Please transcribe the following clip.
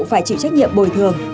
phải chịu trách nhiệm bồi thường